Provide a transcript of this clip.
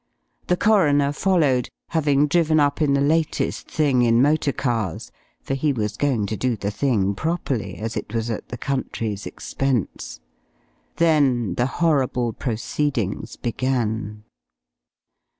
The coroner followed, having driven up in the latest thing in motor cars (for he was going to do the thing properly, as it was at the country's expense). Then the horrible proceedings began.